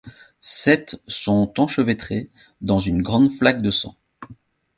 Sept sont enchevêtrés dans une grande flaque de sang.